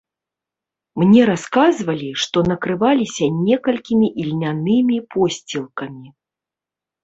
Мне расказвалі, што накрываліся некалькімі ільнянымі посцілкамі.